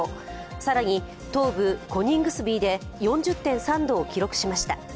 更に東部コニングスビーで４０．３度を記録しました。